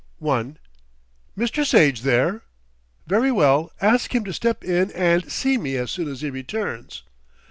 I "Mr. Sage there? Very well, ask him to step in and see me as soon as he returns."